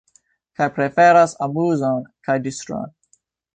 Kaj preferas amuzon kaj distron.